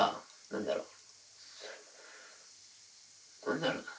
何だろうな。